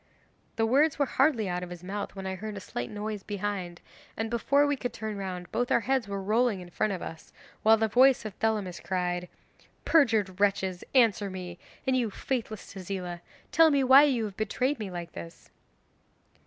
The words were hardly out of his mouth when I heard a slight noise behind, and before we could turn round both our heads were rolling in front of us, while the voice of Thelamis cried: '"Perjured wretches, answer me; and you, faithless Tezila, tell me why you have betrayed me like this?"